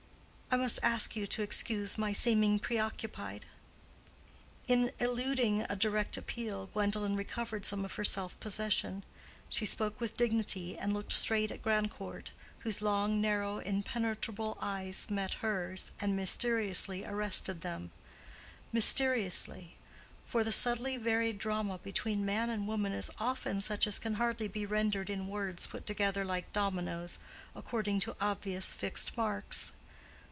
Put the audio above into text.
I must ask you to excuse my seeming preoccupied." In eluding a direct appeal Gwendolen recovered some of her self possession. She spoke with dignity and looked straight at Grandcourt, whose long, narrow, impenetrable eyes met hers, and mysteriously arrested them: mysteriously; for the subtly varied drama between man and woman is often such as can hardly be rendered in words put together like dominoes, according to obvious fixed marks.